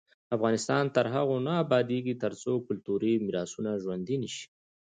افغانستان تر هغو نه ابادیږي، ترڅو کلتوري میراثونه ژوندي نشي.